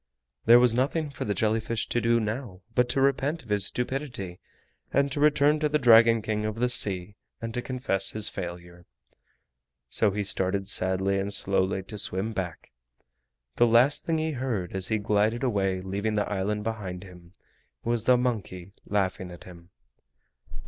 There was nothing for the jelly fish to do now but to repent of his stupidity, and to return to the Dragon King of the Sea and to confess his failure, so he started sadly and slowly to swim back. The last thing he heard as he glided away, leaving the island behind him, was the monkey laughing at him.